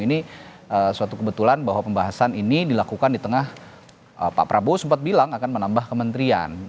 ini suatu kebetulan bahwa pembahasan ini dilakukan di tengah pak prabowo sempat bilang akan menambah kementerian